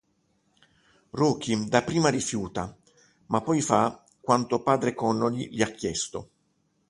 Rocky dapprima rifiuta, ma poi fa quanto padre Connolly gli ha chiesto.